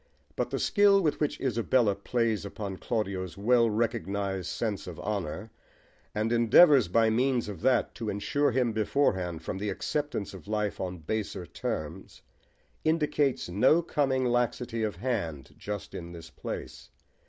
But the skill with which Isabella plays upon Claudio's well recognised sense of honour, and endeavours by means of that to insure him beforehand from the acceptance of life on baser terms, indicates no coming laxity of hand just in this place.